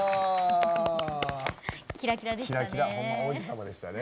キラキラでしたね。